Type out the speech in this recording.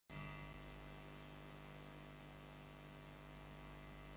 desturi na utamaduni wa kisiasa wa TanzaniaYeye anatoka katika Mkoa wa Kigoma mojawapo